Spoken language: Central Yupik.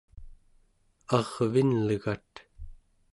arvinlegat